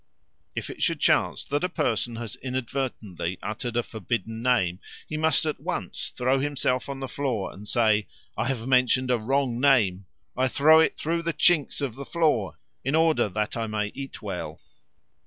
If it should chance that a person has inadvertently uttered a forbidden name, he must at once throw himself on the floor and say, "I have mentioned a wrong name. I throw it through the chinks of the floor in order that I may eat well."